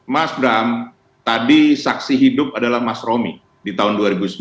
mas bram tadi saksi hidup adalah mas romi di tahun dua ribu sembilan